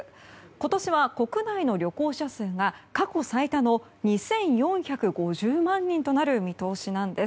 今年は国内の旅行者数が過去最多の２４５０万人となる見通しなんです。